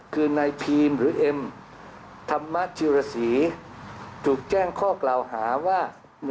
คือนายพีมหรือเอ็มธรรมจิรษีถูกแจ้งข้อกล่าวหาว่า